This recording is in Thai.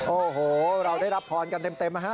โอ้โหเราได้รับพรกันเต็มนะฮะ